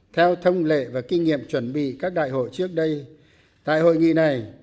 theo thông lệ và kinh nghiệm chuẩn bị các đại hội trước đây tại hội nghị này